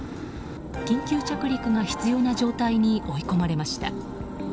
緊急着陸が必要な状態に追い込まれました。